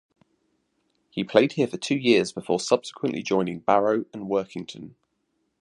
He played here for two years before subsequently joining Barrow and Workington.